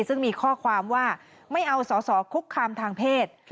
ซึ่งมีข้อความว่าไม่เอาสอสอคุกคามทางเพศ